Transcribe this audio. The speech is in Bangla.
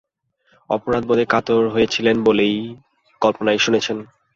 অপরাধবোধে কাতর হয়ে ছিলেন বলেই কল্পনায় শুনেছেন।